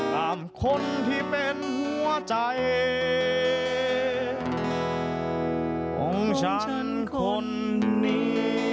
ตามคนที่เป็นหัวใจของฉันคนนี้